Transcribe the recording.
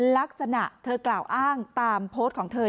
ลักษณะเธอกล่าวอ้างตามโพสต์ของเธอ